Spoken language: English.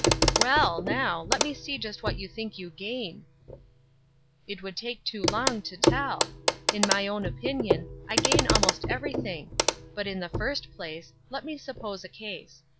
"Well, now, let me see just what you think you gain." "It would take too long to tell. In my own opinion, I gain almost everything. But, in the first place, let me suppose a case.